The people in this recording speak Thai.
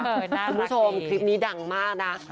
คุณผู้ชมคลิปนี้ดังมากนะ